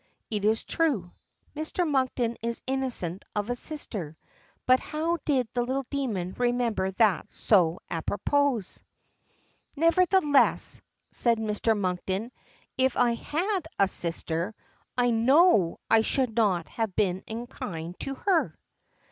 It is true, Mr. Monkton is innocent of a sister, but how did the little demon remember that so apropos. "Nevertheless," said Mr. Monkton, "if I had had a sister, I know I should not have been unkind to her."